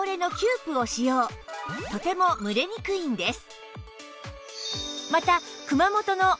とても蒸れにくいんです